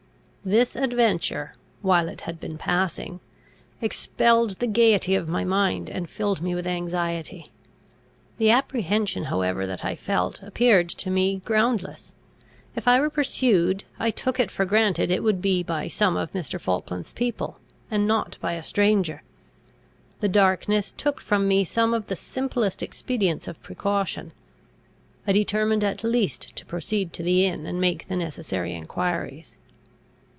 This adventure, while it had been passing, expelled the gaiety of my mind, and filled me with anxiety. The apprehension however that I felt, appeared to me groundless: if I were pursued, I took it for granted it would be by some of Mr. Falkland's people, and not by a stranger. The darkness took from me some of the simplest expedients of precaution. I determined at least to proceed to the inn, and make the necessary enquiries.